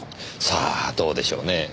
さあどうでしょうねぇ。